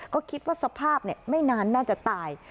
ก็คิดว่าสภาพไม่นานน่าจะตาย